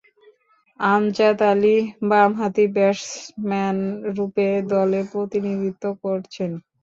আমজাদ আলী বামহাতি ব্যাটসম্যানরূপে দলে প্রতিনিধিত্ব করছেন।